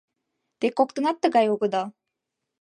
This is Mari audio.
Те коктынат тыгай огыдал.